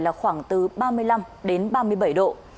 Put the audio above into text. là khoảng từ ba mươi năm đến ba mươi bảy độ